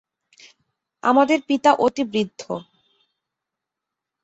আমাদের পিতা অতি বৃদ্ধ।